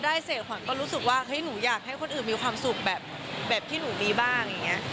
ได้เสียขวัญก็รู้สึกว่าเฮ้ยหนูอยากให้คนอื่นมีความสุขแบบที่หนูมีบ้างอย่างนี้